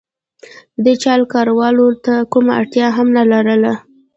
د دې چل کارولو ته کومه اړتیا هم نه لرله.